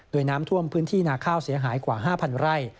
โดยน้ำท่วมพื้นที่นาข้าวเสียหายกว่า๕๐๐ไร่